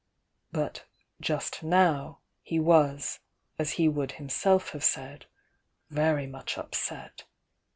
But just now he was as he w^uW himself have said, "very much upset.